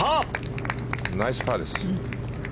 ナイスパーです。